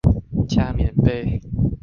加棉被